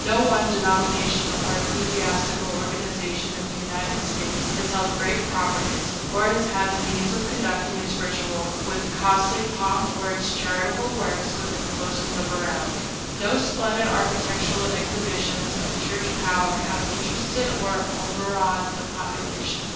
No one denomination or ecclesiastical organization in the United States has held great properties, or has had the means of conducting its ritual with costly pomp or its charitable works with imposing liberality. No splendid architectural exhibitions of Church power have interested or overawed the population.